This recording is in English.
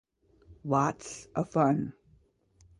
Lots of fun.